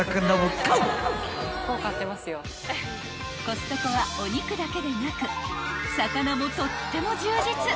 ［コストコはお肉だけでなく魚もとっても充実］